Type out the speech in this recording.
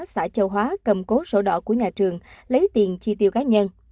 xã châu hóa cầm cố sổ đỏ của nhà trường lấy tiền chi tiêu cá nhân